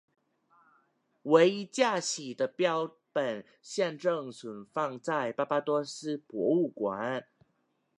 唯一架起的标本现正存放在巴巴多斯博物馆。